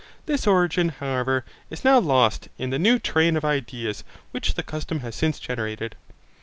This origin, however, is now lost in the new train of ideas which the custom has since generated.